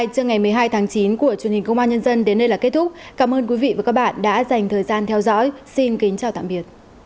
cảm ơn các bạn đã theo dõi và hẹn gặp lại